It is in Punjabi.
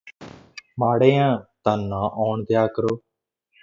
ਮਾੜੇ ਆ ਤਾਂ ਨਾ ਔਣ ਦਿਆ ਕਰੋ